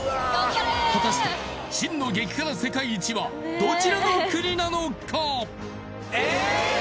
果たして真の激辛世界一はどちらの国なのかえっ？